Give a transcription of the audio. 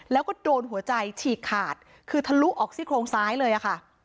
แล้วก็โดนหัวใจฉีกขาดคือทะลุออกซี่โครงซ้ายเลยค่ะ